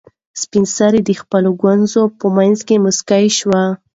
سپین سرې د خپلو ګونځو په منځ کې موسکۍ شوه.